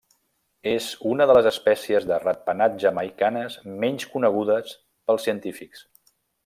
És una de les espècies de ratpenat jamaicanes menys conegudes pels científics.